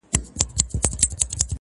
د يوه يې سل لكۍ وې يو يې سر وو-